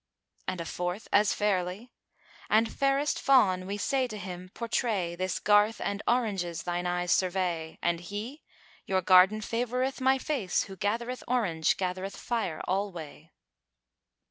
And a fourth as fairly, "And fairest Fawn, we said to him 'Portray * This garth and oranges thine eyes survey:' And he, 'Your garden favoureth my face * Who gathereth orange gathereth fire alway.'"